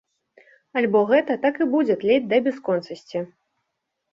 Альбо гэта так і будзе тлець да бясконцасці.